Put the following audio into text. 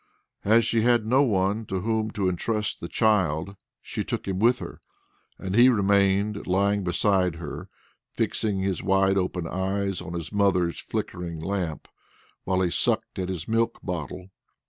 As she had no one to whom to entrust the child, she took him with her, and he remained lying beside her, fixing his wide open eyes on his mother's flickering lamp, while he sucked at his milk bottle.